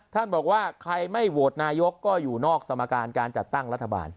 ท่านบอกว่าใครไม่โหวตนายกก็อยู่นอกสมการการจัดตั้งรัฐบาล